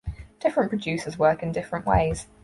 Different producers work in different ways.